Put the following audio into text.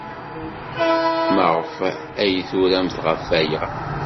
Maɣef ay turamt ɣef waya?